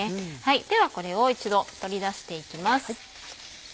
ではこれを一度取り出していきます。